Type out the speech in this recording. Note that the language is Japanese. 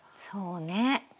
そうね。